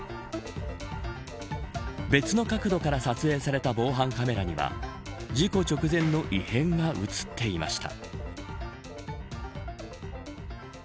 別の角度から撮影された防犯カメラには事故直前の異変が映っていました。